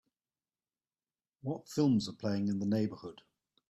What films are playing in the neighborhood